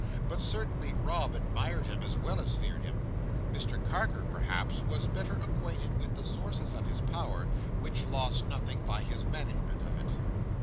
But certainly Rob admired him, as well as feared him. Mr Carker, perhaps, was better acquainted with the sources of his power, which lost nothing by his management of it.